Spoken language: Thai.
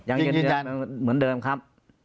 ยังยืนยันเหมือนเดิมครับ